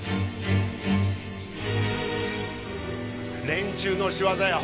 連中の仕業や。